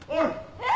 えっ？